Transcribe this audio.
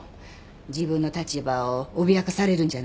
自分の立場を脅かされるんじゃないかって。